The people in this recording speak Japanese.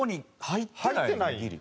入ってない。